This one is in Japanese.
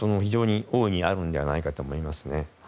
大いにあるのではないかと思いますね。